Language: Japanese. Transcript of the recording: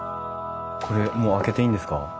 これもう開けていいんですか？